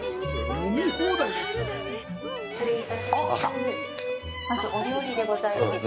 失礼いたします。